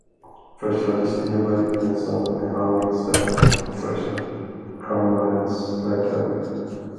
Först hade Stina varit ensam med Hallings verk på Första kammarens läktare.